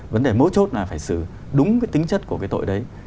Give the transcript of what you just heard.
vấn đề mấu chốt là phải xử đúng cái tính chất của cái tội đấy